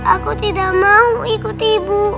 aku tidak mau ikuti ibu